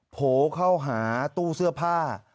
โผล่เข้าหาตู้เสื้อผ้า